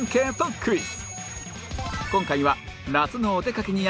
クイズ。